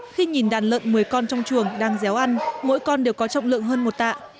khi nhìn đàn lợn một mươi con trong chuồng đang déo ăn mỗi con đều có trọng lượng hơn một tạ